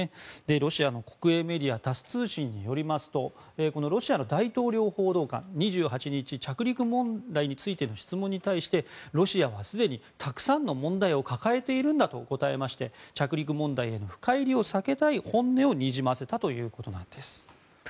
ロシアの国営メディアタス通信によりますとロシアの大統領報道官、２８日着陸問題についての質問に対してロシアはすでにたくさんの問題を抱えているんだと答えまして着陸問題への深入りを避けたい本音をにじませたということです。